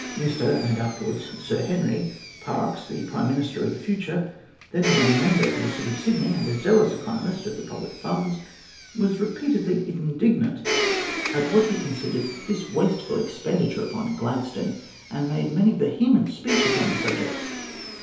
Mr (afterwards Sir Henry) Parkes, the Prime Minister of the future, then a young Member for the city of Sydney, and a zealous economist of the public funds, was repeatedly indignant at what he considered tliis wasteful THE GROWTH AND DEVELOPMENT OF GLADSTONE 73' expenditure upon Gladstone, and made many vehement speeches on the subject.